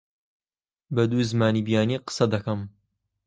بە دوو زمانی بیانی قسە دەکەم.